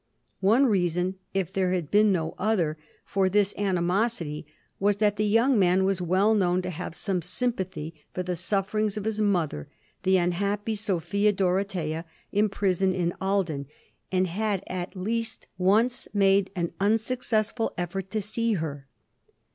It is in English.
One reason, if there had been no other, for this animosity was that the young man was well known to have some sympathy for the sufferings of his mother, the unhappy Sophia Dorothea, imprisoned in Ahlden, and he had at least once made an un successful effort to see her.